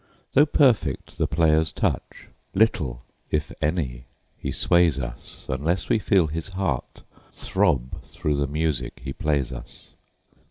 Though perfect the player's touch, little, if any, he sways us, Unless we feel his heart throb through the music he plays us.